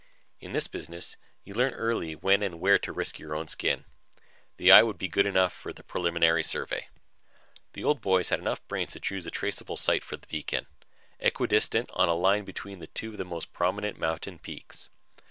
In this business, you learn early when and where to risk your own skin. The eye would be good enough for the preliminary survey. The old boys had enough brains to choose a traceable site for the beacon, equidistant on a line between two of the most prominent mountain peaks.